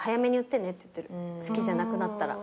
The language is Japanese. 好きじゃなくなったら。